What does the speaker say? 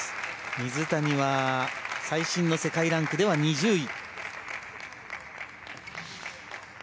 水谷は最新の世界ランクでは２０位。